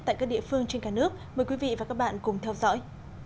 tại các địa phương trên cả nước mời quý vị và các bạn cùng theo dõi